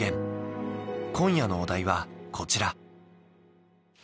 今夜のお題はこちら。